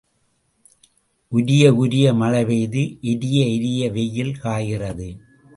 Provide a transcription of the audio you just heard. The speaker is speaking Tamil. உரிய உரிய மழை பெய்து எரிய எரிய வெயில் காய்கிறது.